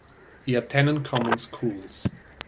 He attended the common schools.